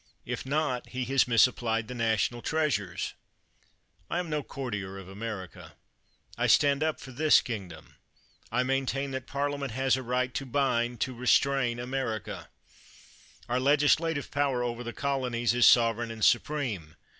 If not, he has misapplied the national treasures ! I am no courtier of America. I stand up for this kingdom. I maintain that the Parliament has a right to bind, to restrain America. Our legislative power over the colonies is sovereign and supreme.